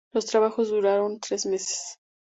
Los trabajos duraron tres meses.